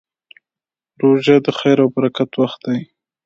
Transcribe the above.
روژه د خیر او برکت وخت دی.